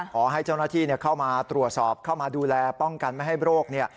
ขอให้เจ้าหน้าที่เข้ามาตรวจสอบเข้ามาดูแลป้องกันไม่ให้โรคเนี่ย